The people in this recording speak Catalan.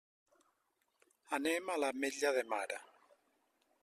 Anem a l'Ametlla de Mar.